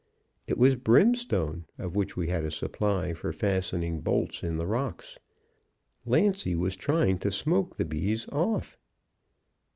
It was brimstone, of which we had a supply for fastening bolts in the rocks. Lancy was trying to smoke the bees off.